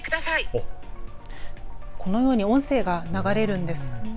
このように音声が流れるんです。